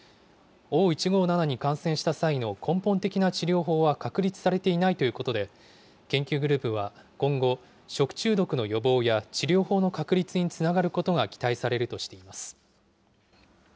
Ｏ１５７に感染した際の根本的な治療法は確立されていないということで、研究グループは、今後、食中毒の予防や治療法の確立につながることが期待されるとしています。